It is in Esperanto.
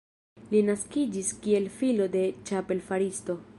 Li naskiĝis kiel filo de ĉapel-faristo.